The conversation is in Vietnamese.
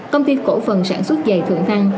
công ty cổ phần sản xuất dày thượng thăng